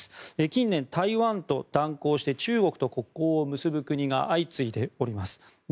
近年、台湾と断交して中国と国交を結ぶ国が相次いでいます。